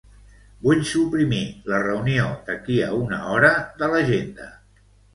Vull suprimir la reunió d'aquí a una hora de l'agenda.